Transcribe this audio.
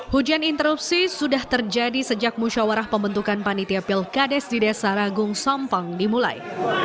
hujan interupsi sudah terjadi sejak musyawarah pembentukan panitia pilkades di desa ragung sampang dimulai